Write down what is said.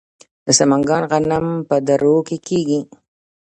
د سمنګان غنم په درو کې کیږي.